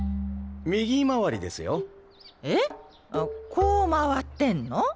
こう回ってんの？